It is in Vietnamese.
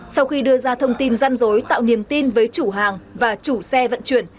sau khi đưa ra thông tin răn rối tạo niềm tin với chủ hàng và chủ xe vận chuyển